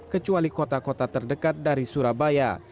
kecuali kota kota terdekat dari surabaya